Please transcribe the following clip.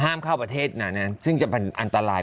ห้ามเข้าประเทศนะเนี่ย